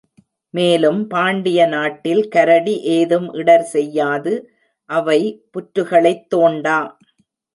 மேலும் பாண்டிய நாட்டில் கரடி ஏதும் இடர் செய்யாது அவை புற்றுகளைத் தோண்டா.